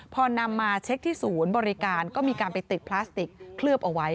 พอนำมาเช็คที่ศูนย์บริการก็มีการไปติดพลาสติกเคลือบเอาไว้